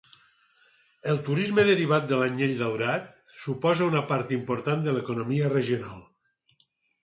El turisme derivat de l'Anell Daurat suposa una part important de l'economia regional.